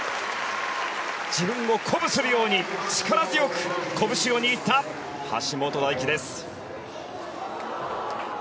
自分を鼓舞するように力強く拳を握った橋本大輝です。